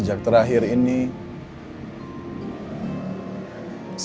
jika tidak dihilangkan